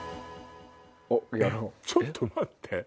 ちょっと待って。